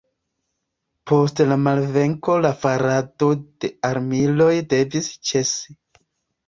Post la malvenko la farado de armiloj devis ĉesi.